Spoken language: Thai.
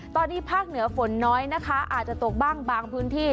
ตอนนี้ภาคเหนือฝนน้อยนะคะอาจจะตกบ้างบางพื้นที่